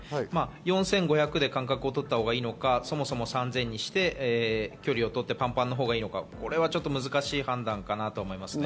４５００で間隔を取ったほうがいいのか、そもそも３０００にして距離をとってパンパンのほうがいいのか、これはちょっと難しい判断かと思います。